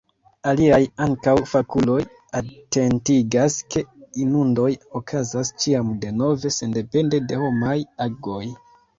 Aliaj, ankaŭ fakuloj, atentigas ke inundoj okazas ĉiam denove, sendepende de homaj agoj.